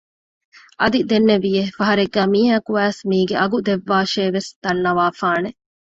އަދި ދެންނެވިއެވެ ފަހަރެއްގައި މީހަކު އައިސް މީގެ އަގު ދެއްވާށޭ ވެސް ދަންނަވާފާނެ